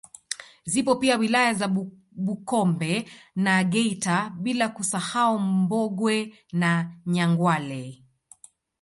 Zipo pia wilaya za Bukombe na Geita bila kusahau Mbogwe na Nyangwale